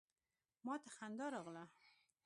ما ته خندا راغله.